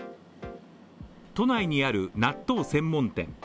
都内にある納豆専門店。